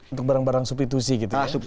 untuk barang barang substitusi gitu ya